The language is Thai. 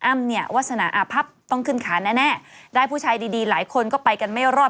เนี่ยวาสนาอาพับต้องขึ้นขาแน่ได้ผู้ชายดีดีหลายคนก็ไปกันไม่รอด